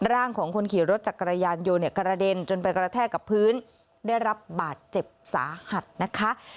ร่างของคนขี่รถจักรยานยนต์เนี่ยกระเด็นจนไปกระแทกกับพื้นได้รับบาดเจ็บสาหัสนะคะ